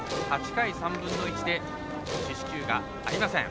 ８回３分の１で四死球がありません。